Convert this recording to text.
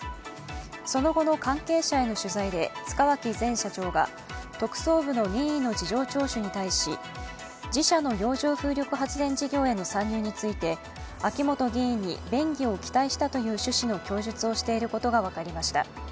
その後の関係者への取材で塚脇前社長が特捜部の任意の事情聴取に対し自社の洋上風力発電事業への参入について秋本議員に便宜を期待したという趣旨の供述をしていることが分かりました。